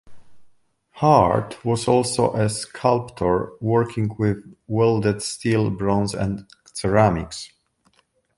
Hart was also a sculptor, working with welded steel, bronze and ceramics.